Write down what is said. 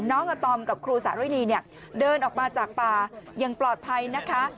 น้องอาตอมกับครูสารินีเนี่ยเดินออกมาจากป่าอย่างปลอดภัยนะคะ